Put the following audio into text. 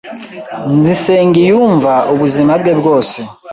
Nzi Nsengiyumva ubuzima bwe bwose.